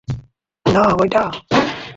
না, অইটা।